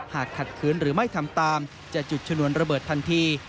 หากขัดคืนหรือไม่ทำตามจะจุดชนวนระเบิดทันที